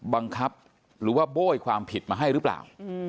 บังคับหรือว่าโบ้ยความผิดมาให้หรือเปล่า